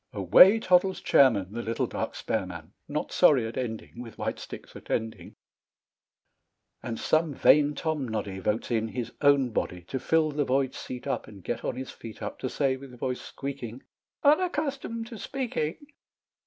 Away toddles Chairman, The little dark spare man, Not sorry at ending, With white sticks attending, And some vain Tomnoddy Votes in his own body To fill the void seat up, And get on his feet up, To say, with voice squeaking, "Unaccustomed to speaking."